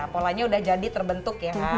polanya udah jadi terbentuk ya